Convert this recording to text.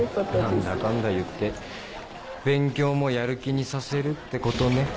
何だかんだ言って勉強もやる気にさせるってことね